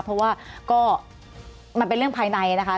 เพราะว่าก็มันเป็นเรื่องภายในนะคะ